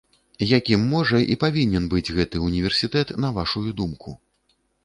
Якім можа і павінен быць гэты ўніверсітэт, на вашую думку?